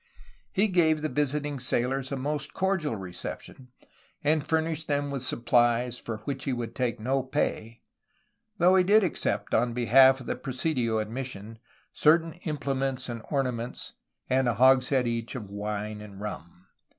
He gave the visiting sailors a most cordial reception, and furnished them with supplies for which he would take no pay, though he did accept on behalf of the presidio and mission certain implements and ornaments and a hogshead each of wine and rum.